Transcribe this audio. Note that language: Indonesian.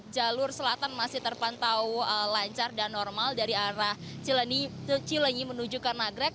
jalur selatan masih terpantau lancar dan normal dari arah cilenyi menuju ke nagrek